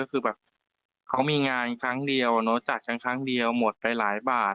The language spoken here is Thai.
ก็คือแบบเขามีงานครั้งเดียวเนอะจัดกันครั้งเดียวหมดไปหลายบาท